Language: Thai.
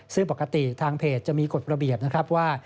ซึ่งปกติทางเพจจะมีกฎระเบียบนะครับว่า